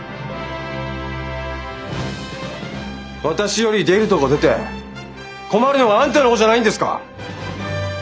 私より出るとこ出て困るのはあんたの方じゃないんですか？